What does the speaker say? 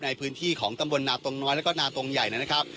ในพื้นที่ของตำบลนาตรงน้อยแล้วก็นาตรงใหญ่นะครับ